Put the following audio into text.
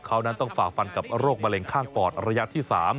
เขานั้นต้องฝ่าฟันกับโรคมะเร็งข้างปอดระยะที่๓